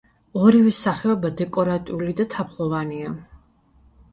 ორივე სახეობა დეკორატიული და თაფლოვანია.